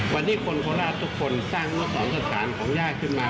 วันนี้คนโคราชทุกคนสร้างอนุสรสถานของญาติขึ้นมา